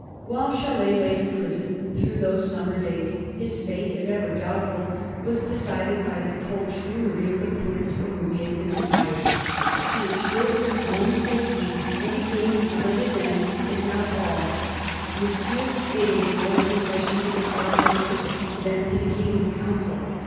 While Chalais lay in prison through those summer days, his fate, if ever doubtful, was decided by the poltroonery of the prince for whom he had conspired. To assure his own safety and to gain some of his ends, if not all, Monsieur made a full confession to the Cardinal first, then to the King in Council.